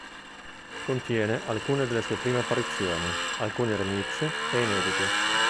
Contiene alcune delle sue prime apparizioni, alcuni remix, e inediti.